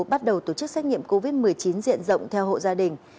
bắt đầu tổ chức xét nghiệm covid một mươi chín diện rộng theo hộ gia đình